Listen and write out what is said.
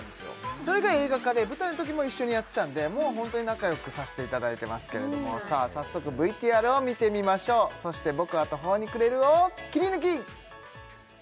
それが映画化で舞台のときも一緒にやってたんでもうホントに仲良くさせていただいてますけれどもさあ早速ＶＴＲを見てみましょう「そして僕は途方に暮れる」をキリヌキ！